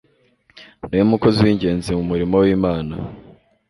ni we mukozi w'ingenzi mu murimo w'Imana.